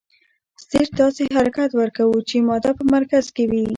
سټیج داسې حرکت ورکوو چې ماده په مرکز کې وي.